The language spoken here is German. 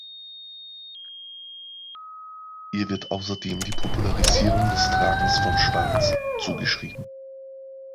Ihr wird außerdem die Popularisierung des Tragens von Schwarz zugeschrieben.